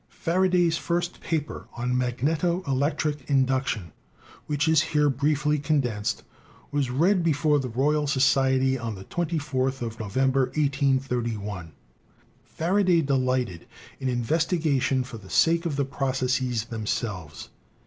Faraday's first paper on Magneto electric Induction, which is here briefly condensed, was read be fore the Royal Society on the 24th of November, 1831. Faraday delighted in investigation for the sake of the processes themselves.